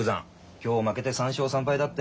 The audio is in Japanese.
今日負けて３勝３敗だって。